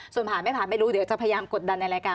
ส่วนผ่านไม่ผ่านไม่รู้เดี๋ยวจะพยายามกดดันในรายการ